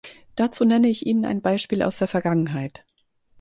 Dazu nenne ich Ihnen ein Beispiel aus der Vergangenheit.